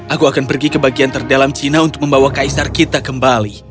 aku akan pergi ke bagian terdalam cina untuk membawa kaisar kita kembali